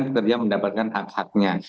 pekerja mendapatkan hak haknya